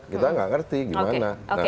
kita tidak mengerti gimana itu